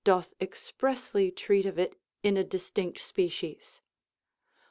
doth expressly treat of it in a distinct species.